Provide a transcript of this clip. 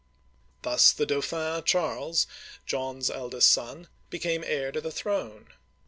Thus the Dauphin Charles, John's eldest son, became heir to the throne.